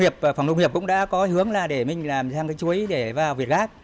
phòng nông nghiệp cũng đã có hướng là để mình làm cái chuối để vào việt gác